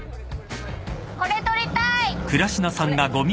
これ取りたい。